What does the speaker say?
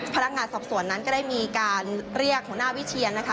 พนักงานสอบสวนนั้นก็ได้มีการเรียกหัวหน้าวิเชียนนะคะ